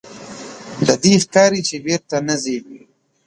له دې ښکاري چې بېرته نه ځې.